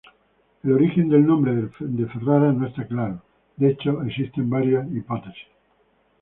El origen del nombre de Ferrara no está claro: De hecho existen varias hipótesis.